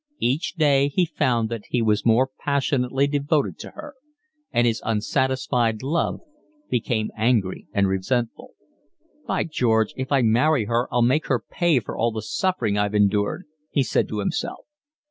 Each day he found that he was more passionately devoted to her; and his unsatisfied love became angry and resentful. "By George, if I marry her I'll make her pay for all the suffering I've endured," he said to himself.